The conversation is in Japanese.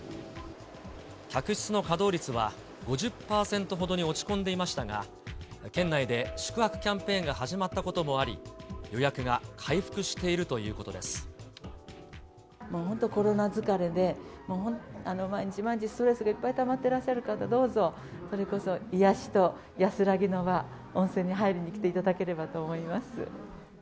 客室の稼働率は５０％ほどに落ち込んでいましたが、県内で宿泊キャンペーンが始まったこともあり、予約が回復してい本当、コロナ疲れで、毎日毎日、ストレスがいっぱいたまってらっしゃる方、どうぞ、それこそ癒やしと安らぎの場、温泉に入りに来ていただければと思います。